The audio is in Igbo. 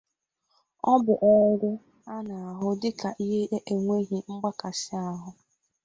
Ọ bụ orụ a na-ahụ dika ihe enweghi mgbakasi ahụ.